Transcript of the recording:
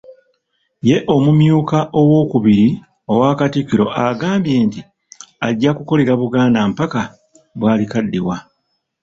Ye Omumyuka owookubiri owa Katikkiro agambye nti ajja kukolera Buganda mpaka bwalikadiwa.